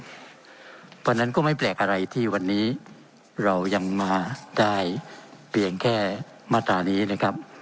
เพราะฉะนั้นก็ไม่แปลกอะไรที่วันนี้เรายังมาได้เพียงแค่มาตรานี้นะครับ